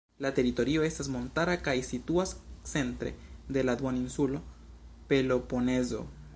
La teritorio estas montara kaj situas centre de la duoninsulo Peloponezo.